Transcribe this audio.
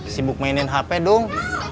sibuk mainin hp dung